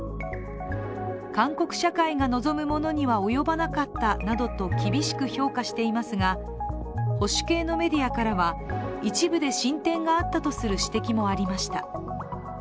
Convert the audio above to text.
韓国社会が望むものには及ばなかったなどと厳しく評価していますが、保守系のメディアからは一部で進展があったとする指摘もありました。